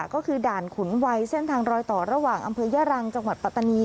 ก็คือด่านขุนวัยเส้นทางรอยต่อระหว่างอำเภอย่ารังจังหวัดปัตตานี